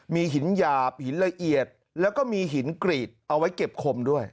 มีหินหยาบหินละเอียดแล้วก็มีหินกรีดเอาไว้เก็บคมด้วย